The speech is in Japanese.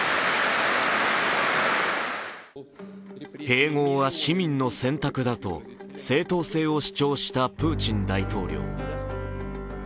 併合は市民の選択だと正当性を主張したプーチン大統領。